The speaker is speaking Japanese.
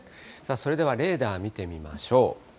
それではレーダー見てみましょう。